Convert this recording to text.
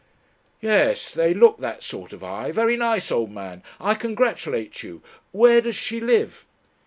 "Yes. They look that sort of eye. Very nice, old man. I congratulate you. Where does she live?"